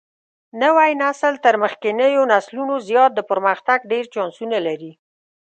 نوى نسل تر مخکېنيو نسلونو زيات د پرمختګ ډېر چانسونه لري.